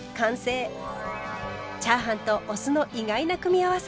チャーハンとお酢の意外な組み合わせ。